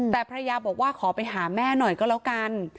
แต่ภรรยาบอกว่าขอไปหาแม่หน่อยก็แล้วกัน